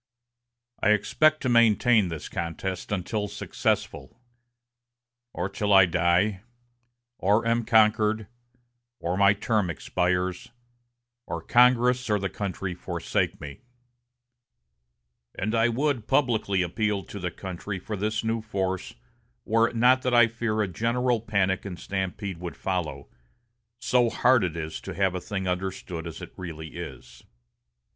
I expect to maintain this contest until successful, or till I die, or am conquered, or my term expires, or Congress or the country forsake me; and I would publicly appeal to the country for this new force were it not that I fear a general panic and stampede would follow, so hard it is to have a thing understood as it really is."